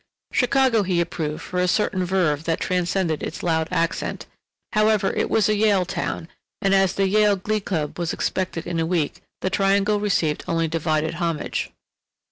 Chicago he approved for a certain verve that transcended its loud accent—however, it was a Yale town, and as the Yale Glee Club was expected in a week the Triangle received only divided homage.